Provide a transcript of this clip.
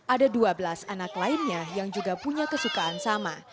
ada dua belas anak lainnya yang juga punya kesukaan sama